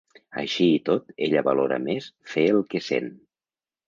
Així i tot, ella valora més fer ‘el que sent’.